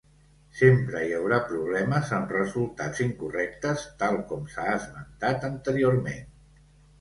Sempre hi haurà problemes amb resultats incorrectes tal com s'ha esmentat anteriorment.